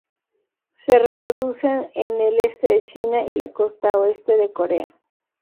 Se reproduce en el este de China y la costa oeste de Corea.